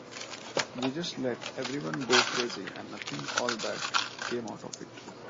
We just let everyone go 'crazy' and nothing all bad came out of it.